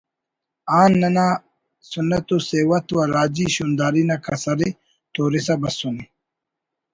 آن ننا سنت و سیوت و راجی شونداری نا کسر ءِ تورسا بسنے